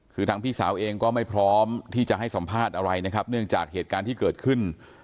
คือทางพี่สาวเองก็ไม่พร้อมที่จะให้สัมภาษณ์อะไรนะครับเนื่องจากเหตุการณ์ที่เกิดขึ้น